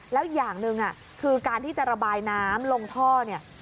แล้วอย่างหนึ่งคือการที่จะระบายน้ำลงท่อเนี่ย